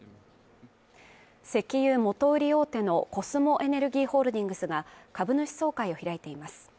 石油元売り大手のコスモエネルギーホールディングスが株主総会を開いています。